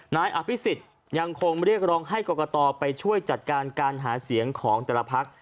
นายอภิษฎยังคงเรียกร้องให้กรกตไปช่วยจัดการการหาเสียงของแต่ละพัก